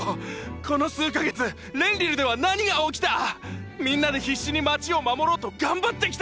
この数か月レンリルでは何が起きた⁉みんなで必死に街を守ろうと頑張ってきた！！